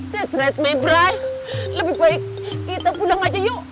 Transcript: that's right mebrai lebih baik kita pulang aja yuk